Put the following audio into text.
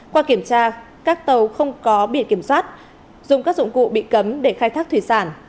qua kiểm tra các tàu không có biển kiểm soát dùng các dụng cụ bị cấm để khai thác thủy sản